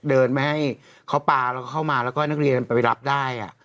เดินไม่ให้เขาปลาเราเข้ามาแล้วก็นักเรียนไปรับได้